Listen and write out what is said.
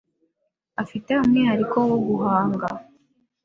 Afite umwihariko wo guhanga